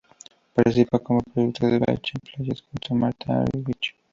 Participa en Proyecto Bach en Pleyel junto a Martha Argerich.